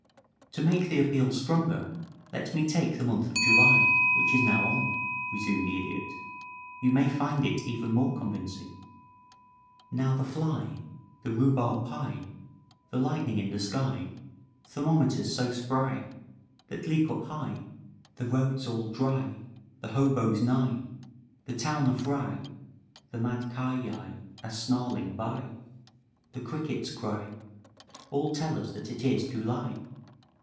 "To make the appeal stronger, let me take the month of July, which is now on," resumed the Idiot. "You may find it even more convincing: "Now the fly The rhubarb pie The lightning in the sky Thermometers so spry That leap up high The roads all dry, The hoboes nigh, The town a fry, The mad ki yi A snarling by, The crickets cry All tell us that it is July.